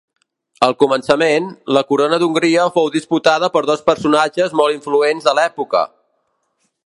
Al començament, la corona d'Hongria fou disputada per dos personatges molt influents de l'època.